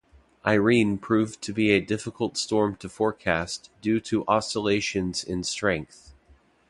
Irene proved to be a difficult storm to forecast due to oscillations in strength.